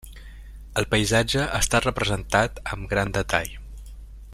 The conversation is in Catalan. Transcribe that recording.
El paisatge està representat amb gran detall.